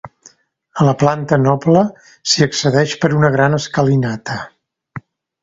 A la planta noble s'hi accedeix per una gran escalinata.